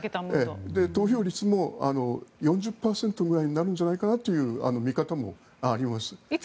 投票率も４０％ぐらいになるのではという見方もあります。